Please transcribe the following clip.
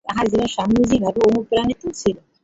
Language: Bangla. তাঁহার জীবন স্বামীজীর ভাবে অনুপ্রাণিত ছিল।